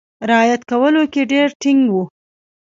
رعایت کولو کې ډېر ټینګ وو.